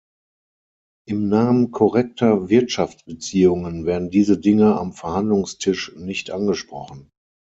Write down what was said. Im Namen korrekter Wirtschaftsbeziehungen werden diese Dinge am Verhandlungstisch nicht angesprochen.